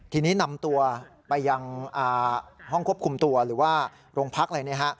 ทีนี้นำตัวไปยังห้องควบคุมตัวหรือว่าโรงพักอะไรนะฮะ